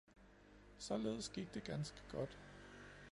Således gik det ganske godt.